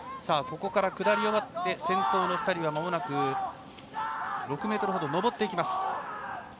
ここから下りとなって先行の２人は６ｍほど上っていきました。